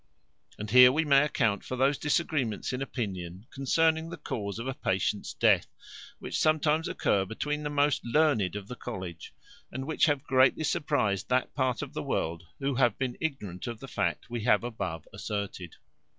And here we may account for those disagreements in opinion, concerning the cause of a patient's death, which sometimes occur, between the most learned of the college; and which have greatly surprized that part of the world who have been ignorant of the fact we have above asserted.